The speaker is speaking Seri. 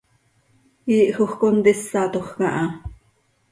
Iihjoj contísatoj caha.